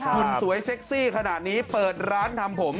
หุ่นสวยเซ็กซี่ขนาดนี้เปิดร้านทำผม